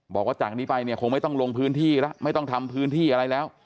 บอกว่าจากนี้ไปเนี่ยคงไม่ต้องลงพื้นที่แล้วไม่ต้องทำพื้นที่อะไรแล้ว